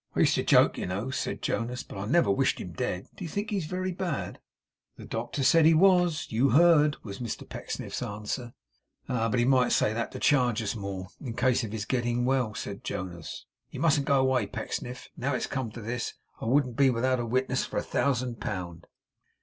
'I used to joke, you know,' said. Jonas: 'but I I never wished him dead. Do you think he's very bad?' 'The doctor said he was. You heard,' was Mr Pecksniff's answer. 'Ah! but he might say that to charge us more, in case of his getting well' said Jonas. 'You mustn't go away, Pecksniff. Now it's come to this, I wouldn't be without a witness for a thousand pound.